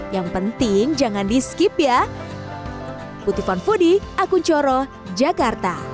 yang penting jangan di skip ya